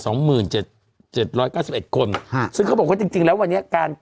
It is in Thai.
สองหมื่นเจ็ดเจ็ดร้อยเก้าสิบเอ็ดคนฮะซึ่งเขาบอกว่าจริงจริงแล้ววันนี้การ